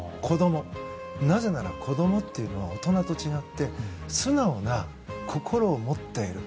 なぜなら、子供っていうのは大人と違って素直な心を持っている。